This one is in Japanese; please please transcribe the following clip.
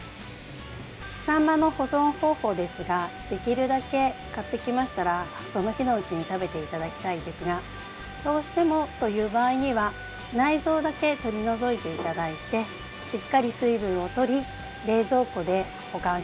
サンマの保存方法ですができるだけ、買ってきましたらその日のうちに食べていただきたいですがどうしてもという場合には内臓だけ取り除いていただいてしっかり水分を取り冷蔵庫で保管してください。